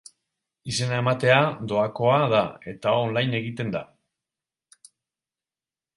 Izena ematea doakoa da eta online egiten da.